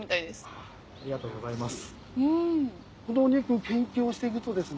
ありがとうございます。